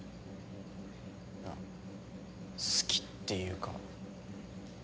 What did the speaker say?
いや好きっていうか。